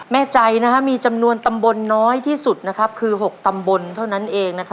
แม่ใจมีจำนวนตำบลน้อยที่สุดคือ๖ตำบลเท่านั้นเอง